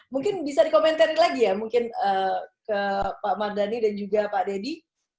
mungkin bisa dikomentarin lagi ya mungkin ke pak mardhani dan juga pak deddy